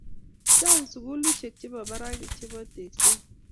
Chang sukulishek chepo barak chepo tekset